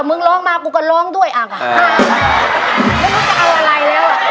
มึงร้องมากูก็ร้องด้วยอ่ะไม่รู้จะเอาอะไรแล้วอ่ะ